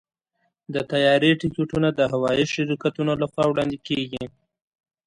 د طیارې ټکټونه د هوايي شرکتونو لخوا وړاندې کېږي.